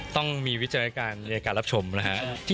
ต้องมีวิจัยการในอากาศรับชมนะฮะ